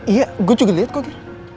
iya gue juga lihat kok ya